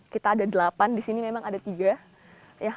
kita ada delapan di sini memang ada tiga